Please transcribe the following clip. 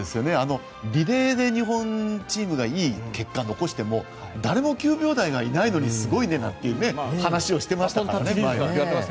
リレーで日本チームがいい結果を残しても誰も９秒台がいないのにすごいねなんて話をしてましたよね。